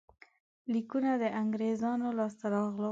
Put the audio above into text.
لیکونه د انګرېزانو لاسته ورغلل.